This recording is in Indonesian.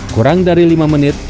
kurang dari lima menit